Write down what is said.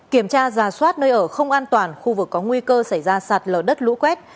kiểm tra giả soát nơi ở không an toàn khu vực có nguy cơ xảy ra sạt lở đất lũ quét